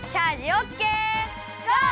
ゴー！